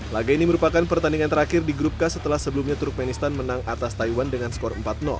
laga ini merupakan pertandingan terakhir di grup k setelah sebelumnya turkmenistan menang atas taiwan dengan skor empat